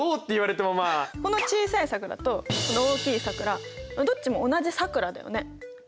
この小さいさくらとこの大きいさくらどっちも同じさくらだよね。